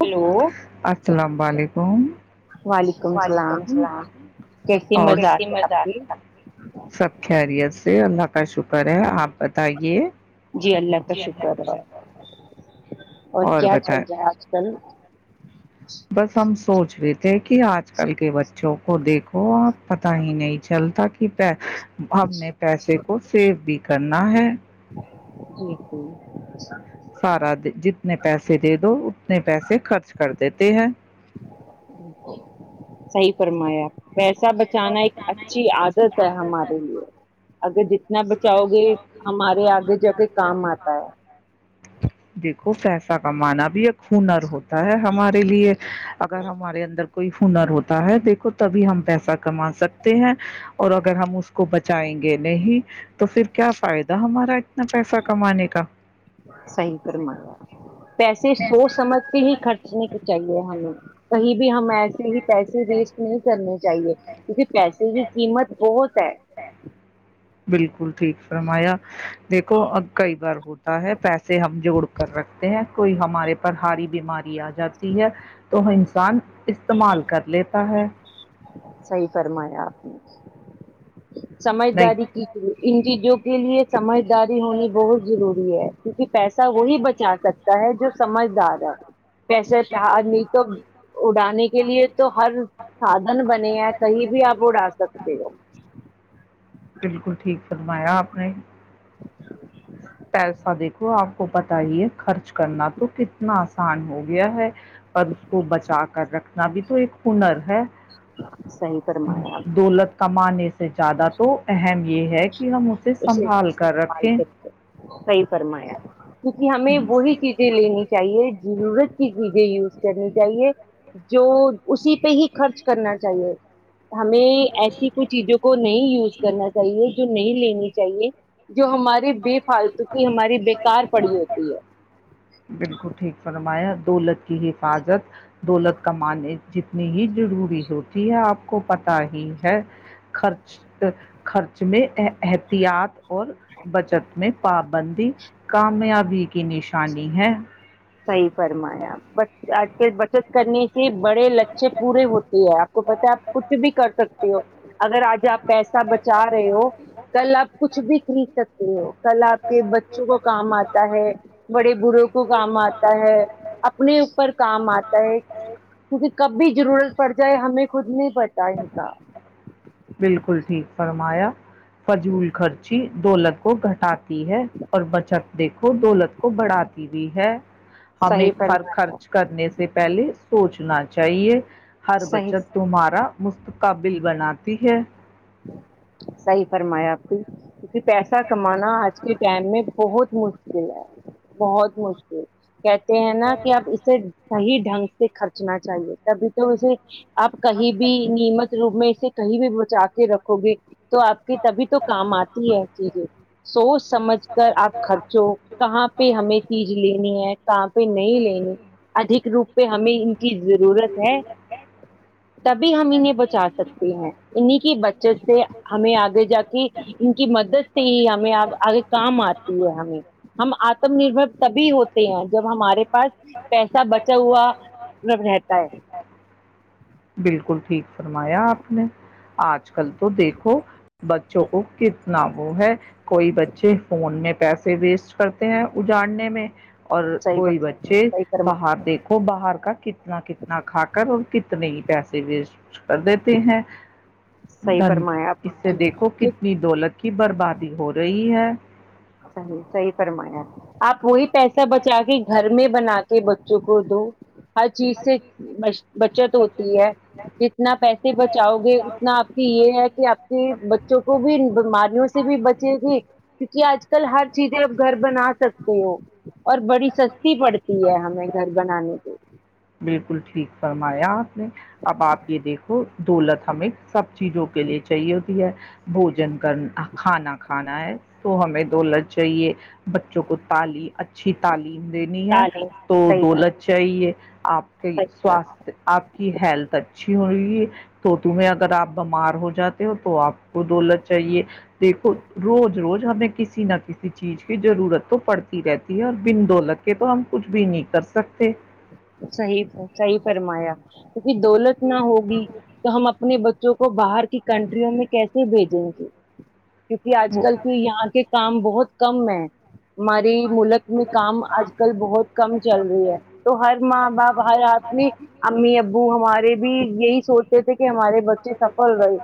hello السلام علیکم وعلیکم السلام اور سب خریت ج اللہ کا شکر ہے آپ بتائیے جی اللہ کا شکر اور کیا چل رہا ہے آج کل بس ہم سوچ رہے تھے کہ آج کل کے بچوں کو دیکھو آپ پتا ہی نہیں چلتا کہ پ ہم نے پیسے کو سیو بھی کرنا ہے جیسا سارا جتنے پیسے دے دو اتنے پیسے خرچ کر دیتے ہیں صی فرمایا پیسا بچانا ایک اچھی عادت ہے ہمارے لیے اگر جتنا بچاؤ گے ہمارے آگے جا کے کام آتا ہے ج ہنر ہوتا ہے ہمارے د لیے اگر ہمارے اندر کو ہنر ہوتا ہے دیکھو تبھی ہم پیسہ کما سکتے ہیں اور اگر ہم اس کو بچ چائیں گے نہیں تو پھر کیا فائدہ ہمارا اتنا پیسہ کمانے کا پیسے سو سمجھ کے ہی خرچنے کے چاہیے ہمیں کہیں بھی ہم ای ہی پیسے ویسٹ نہیں کرنے چاہیے کیونکہ پیسے کی قیمت بہت ہے بالکل ٹھیک فرمایا دیکھو اب کئی بار ہوتا ہے پیسے ہم جوڑ کر رکھتے ہیں کوئی ہمارے پر ہاری بیماری آ ج جاتی ہے تو ہمس استعمال کرتے لیتا ہے صحی فرمایا آپ نے سمجھداری کی ان چیزوں کے لیے سمج داری ہونی بہت ضروری ہے کیونکہ پیسہ وہی بچا سکتا ہے جو سمجھدار ہے پیسے نہیں تو اڑانے کے لیے تو ہر سادھن بنے ہیں کہیں بھی آپ اڑا سکتے ہو بالکل ٹھیک فرمایا آپ نے پیسہ دیکھو آپ کو پتا ہی ہے خرچ کرنا تو کتنا آسان ہو گیا ہے اس کو بچا کر رکھنا ابھی تو ایک ہنر ہے دولت کاما نے سے زیادہ تو اہم یہ ہے کہ کہ ہم اسے سنبھال کر رکھیں صحیح فرمایا کیونکہ ہمیں وہی چیزیں لینی چاہیے ضرورت کی چیزیں یوز کرنی چاہیے جو اسی پہ ہی خرچ کرنا چاہیے ہمیں ایسی کوئی چیزوں کو نہیں یوز کرنا چاہیے جو نہیں لینا چاہیے جو ہماری بے فالتو کیی ہماری بے کار پڑی ہوتی ہے دولت کی حفاظت دولت کمانے جتنی ہی ضروری ہوتی ہے آپ کو پت ہی ہے خرچ خرچ میں احتیاط اور بچت میں پابندی کامیابی کی نشانی ہے صحیح فرمایا بس آج کل بچت کرنے کے بڑے لچے پورے ہوتے ہیں آپ کو پتا ہے آپ کچھ بھی کر سکتے ہو اگر آج آپ پیسہ بچا رہے ہو کل آپ کچھ بھی خرید سکتے ہو کل آپ کے بچوں کو کام آتا ہے بڑے بڑوں کو کام آتا ہے اپنے اوپر کام آتا ہے کیونکہ کب بھی ضرورت پڑ جائے ہمیں خود نہیں پتا ان کا فرمایا فضول خرچی دولت کو گھٹاتا تی ہے اور بچت دیکھو دولت کو بڑھاتی بھی ہے ہمیں ہر خرچ کرنے سے پہلے سوچنا چاہیے ہر بچت تمہارا مست قبل بناتی ہے سحی فرمایا آپ کی کیونکہ پیسہ کمانا آج کے ٹائم میں بہت مشکل ہے بہت مشکل کہتے ہیں نا کہ آپ اسے صحیح ڈنگ سے خرچنا چاہیے تبھی تو اسے آپ کہیں بھی نیمت روپ میں سے کہیں بھی بچا کے رکھو گی تو آپ کی تبھی تو کام آتی ہے کی سونچ سمجھ کر آپ خرچو کہاں پے ہمیں چیز لینی ہے کہاں پے نہیں لینی ادک روپ پے ہمیں ان کی ضرورت تبھی ہم انہیں بچا سکتے ہیں انیں کی بچ چوں سے ہمیں آگے جا کے ان کی مدد سے ہی ہمیں آگ کام آتی ہے ہمیں ہم آتم نربر سبھی ہوتے ہیں جب ہمارے پاس پیسا بچا ہوا رہتا ہے بالکل ٹھیک فرمایا آپ نے آج کل تو دیکھو بچوں کو کتنا وہ ہے کوئی بچے فون میں پیسے ویسٹ کرتے ہیں اجاڑنے میں اور کوئی بچے باہر دیکھو باہر کا کتنا کتنا کھا کر اور کت [unintelligible] پیسے ویسٹ کر دیتے ہیں دن اس سے دیکھو کتنی دولت کی بربادی ہو رہی ہے صحیح صحیح فرمایا آپ ہوہی پیسہ بچا کے گھر میں بنا کے بچوں کو تو ہر چیز سے بچت ہوتی ہے جتنا پیسے بچاؤ گے اتنا آپ کی یہ ہے کہ آپ کے بچوں کو بھی بیماریوں سے بھی بچے گی کیونکہ آج چل ہر چیزیں اب گھر بنا سکتے ہو اور بڑی سستی پڑتی ہے ہمیں گھر بنانے کے بالکل ٹھیک فرمایا آپ نے اب آپ یہ دیکھو دولت ہمیں سب چیزوں کے لیے چاہیے ہوتی ہے بوجن کرنا کھانا کھانا ہے تو ہمیں دولت چاہیے بچوں کو تعلیم اچھی تعلیم دینی ہے تو دولت چاہیے آپ کے سواستھ آپ کی ہیلتھ اچھی ہوگی تو تمہیں اگر آپ بیمار ہو جاتے ہو تو آپ کو دولت چاہیے دیکھو روز روز ہمیں کسی نہ کسی چیز کی ضرورت تو پڑتی رہتی ہے اور بن دولت کے تو ہم کچھ بھی نہیں کر سکتے صحیح صحیح فرمایا دولت نہ ہوگی تو ہم اپنے بچے جو کو [unintelligible] باہر کی کنٹریوں میں کیس [unintelligible] کیونکہ آج کل کی یہاں کی کام بہت کم ہے ہماری ملک میں کام آج کل بہت کم چل رہی ہے ہر ماں باپ ہر آدمی امی ابو ہمارے بھی یہی سوچتے تھے کہ کہ ہماراری بچی سفل رہی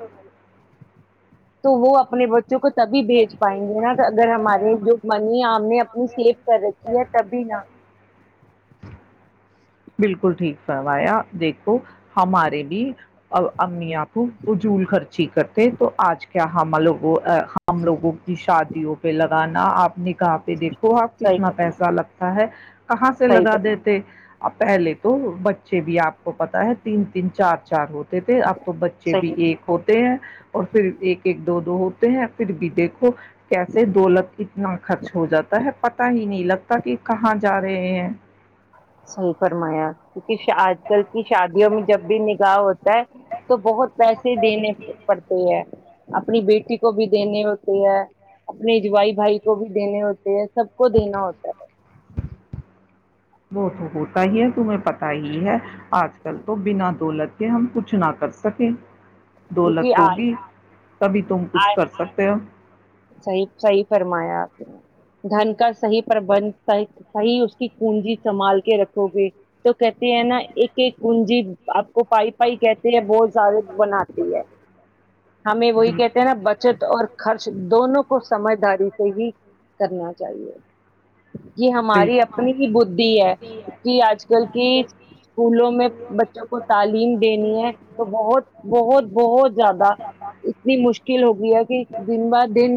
تو وہ اپنے بچوں کو تبھی بھیج پائیں گے نا اگر ہمارے جو منی ہم نے اپنی سیو کر رکھی ہے تبھی نا بالکل ٹھیک ہےوایا دیکھو ہمارے بھی امی آ کو وہ جول خرچی کرتے تو آج کیا لوگ ہم لوگوں کی شادیوں پہ لگان آپ نے [unintelligible] کہ پہ دیکھو آپ کتنا پیسہ لگتا ہے کہاں سے لگا دیتے آ پہلے تو بچے چ بھی آپ کو پتا ہے تین تین چار چار ہوتے تھے اب تو بچے بھی ایک ہوتے ہیں اور پھر ایک ایک دو دو ہوتے ہیں پھر بھی دیکھو کیسے دو لگ اتنا خرچ ہو جاتا ہے پتا ہی نہیں لگتا کہ کہاں جا رہے ہیں صحی فرمایا [unintelligible] کیکہ آج کل کی شادیوں میں جب بھی نگاہ ہوتا ہے تو بہت پیسے دینے پڑتے ہیں اپنی بیٹی کو بھی دینے ہوتی ہے اپنی وائی بھائی کو بھی دینے ہوتے ہیں سب کو دینا ہوتا ہے وہ تو ہوتا ہی ہے تمہیں پت ہی ہے آج کل تو بنا دولت کے ہم کچھ نہ کر سکے دولت ہوگی تبھی تم کچھ کر سکتے ہو صحی صحی فرمایا گھن کا صحیح پربند صحیح اس کی کنجی سنبھال کے رکھو گے تو کہتے ہیں نا ایک ایک کنجی آپ کو پائی پائی کہتے ہے بہت زیادہ بناتی ہے ہمیں وہی کہتے ہیں نا بچت اور خرچ دونوں کو سمجھداری سے ہی کرنا چاہیے یہ ہماری اپنی ہی بدھی ہے کہ آج کل کی اسکولوں میں بچوں کو تعلیم دینی ہے تو بہت بہت بہت زیادہ اتنی مشکل ہو گئی ہے کہ دن ب دن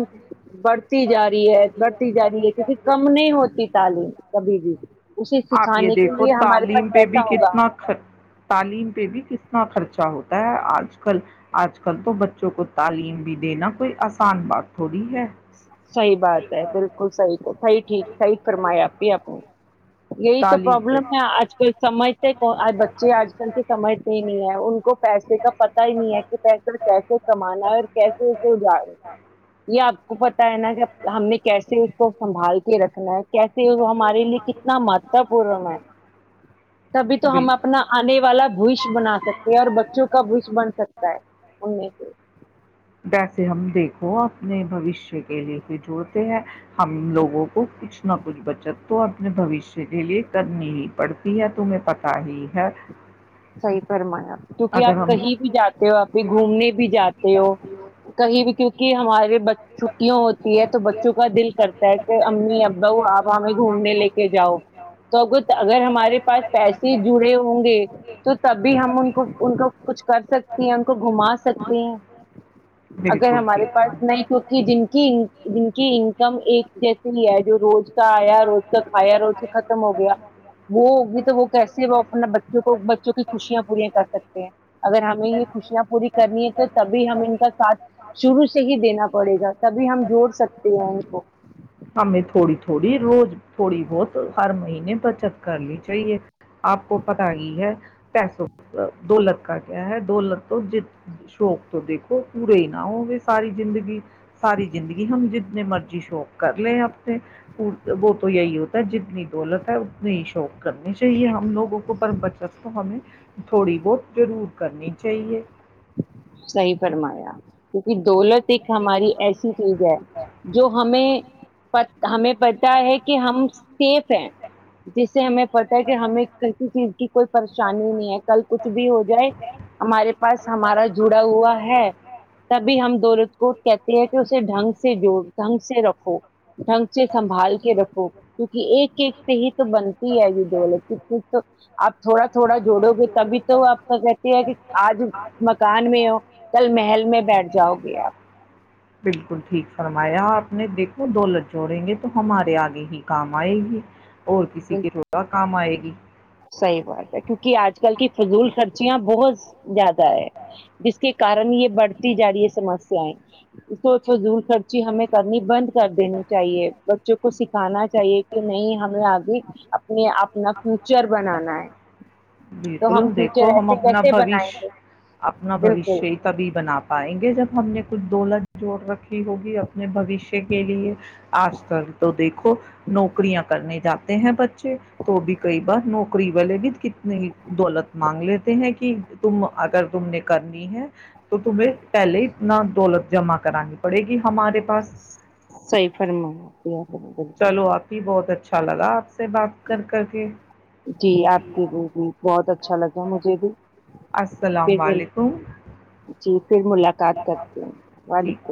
بڑھتی جا رہی ہے بڑھتی جا رہی ہے کیونکہ کم نہیں ہوتی تعلیم کبھی بھی اسے سکھانے کے لیے ہمارے پاس پیسا ہوگا کتنا خرچہ ہوتا ہے آج کل آج کل تو بچوں کو تعلیم بھی دینا کوئی آسان بات تھوڑی ہے صحیح بات ہے بالکل صحیح تو صحیح ٹھیک صح فرمائی آی آپنی یہی تو پرابلم ہے آج کل سب سمجھتے بچے آج کل کی سمجھتے ہی نہیں ہے ان کو پیسے کا پتا ہی نہیں ہے کہ پیسہ کیسے کمانا ہے اور کیسے اسے اجاڑ یہپ کپت ہے نا کہ ہم نے کیسے اس کو سنبھال کے رکھنا ہے کیسے وہ ہمارے لیے کتنا مہتو پورن ہے تبھی تو ہم اپنا آنے والا بھوش بنا سکتے ہیں اور بچوں کا بھوش بن سکتا ہے ان میں سے سے ہم دیکھو اپنے بوشیہ کے لیے ہی جوڑتے ہیں ہم لوگوں وہ کچ نہ کچھ بچ تو اپنے بوشیہ کے لیے کرنی ہی پڑتی ہے تمہیں پتا ہی ہے صحیح فھرمانا کیونکہ آپ کہیں بھی جاتے ہو آپ کے گھومنے بھی جاتے ہو کہیں بھی کیونکہ ہمارے چھٹیاں ہوتی ہے تو بچوں کا دل کرتا ہے کہ امی اباؤ آپ ہمیں گھومنے لے کے جاؤ تو ا اگر ہمارے پاس پیسے جڑے ہوں گے تبھی ہم ان کو کچھ کر سکتے ہیں ان کو گھما سکتے ہیں اگر ہمارے پاس نہیں کیوںکہ جن کی جن کی انکم ایک جیسے ہی ہے جو روز کا آیا روز کا کھایا روز کا ختم ہو گیا وہ بھی تو وہ کیسے وہ اپنا بچوں کو خوشیا پوریا کر سکتے اگر ہمیں یہ خوشیاں پوری کرنی ہے تو تبھی ہمیں ان کا ساتھ شروع سے ہی دینا پڑے گا تبھی ہم جوڑ سکتے ہیں ان کو تھوڑی روز تھوڑی بہت ہر مہینے بچت کرنی چاہیے آپ کو پت ہی ہے پیسو دولت کا کیا ہے دولت تو ج شوق تو دیکھو پورے ہی نہ ہو گے ساری زندگی ساری زندگی ہم جتنے مرضی شوق کر لیں اپنے وہ تو یہی ہوتا ہے جتنی دولت ہے اتنے ہی شوق کرنے چاہیے ہم لوگوں کو پر بچت تو ہمیں تھوڑی بہت ضرور کرنی چاہیے صحی فرمایا کیونکہ دولت ہماری ایسی چیز ہے جو ہمیں ہمیں پتا ہے کہ ہم سیف ہے جس سے ہمیں پتا ہے کہ ہمیں کسی چیز کی کوئی پریشانی نہیں ہے کل کچھ بھی ہو جائے ہمارے پاس ہمارا جڑا ہوا ہے تبھی ہم دولت کو کہتے ہے کہ اسے ڈنگ سے جو ڈھنگ سے رکھو ڈھنگ سے سنبھال کے رکھو کیونکہ ایک ایک سے ہی تو بنتی ہے یہ دولت کی تو آپ تھوڑا تھوڑا جوڑو گے تبھی تو آپ کا کہتے ہے کہ آپ آج مان میں ہو کل محل میں بیٹھ جاؤ بالکل ٹھیک فرمایا آپ نے دیکھو دو لت جوڑیں گے تو ہمارے آگے ہی کام آئے گی اور کسی کے تھوڑا کام آئے گی صحیح بات ہے کیونکہ آج کل کی فضول خرچیاں بہت زیادہ ہے جس کے کارن یہ بڑھتی جا رہی ہے سمسیایں سوچ فضول خرچی ہمیں کرنی بند کر دینی چاہیے بچوں کو سکھانا چاہیے کہ نہیں ہمیں آگے میں اپنا ف بالکل دیکھو ہم اپنا بوش اپنا بوشیہ ہی تبھی بنا پائیں گے جب ہم نے کچھ دولت جوڑ رکھی ہوگی اپنے بوشیہ کے لیے آج کل تو دیکھو نوکریاں کرنے جاتی ہیں بچے تو بھی کئی بار نوکری والے بھی کتنی دولت مانگ لیتے ہیں کہ تم اگر تم نے کرنی ہے تو تمہیں پہلے اتنا دولت جمع کرانی پڑے گی ہمارے پاس سئی فرم چلو آتی بہت اچھا اچھا لگا آپ سے بات کر کر کے جی آپ کے لی بھی بہت اچھا اچھا لگا ہے مجھے بھی السلام علیکم پھر ملاقات کرتے ہیں وک